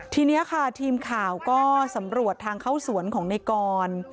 ทีนี้ค่ะทีมข่าวก็สำรวจทางเข้าสวนของในกร